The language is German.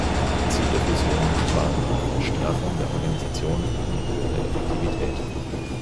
Ziel der Fusion waren eine Straffung der Organisation und höhere Effektivität.